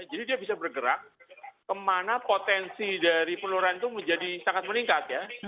jadi dia bisa bergerak kemana potensi dari penularan itu menjadi sangat meningkat ya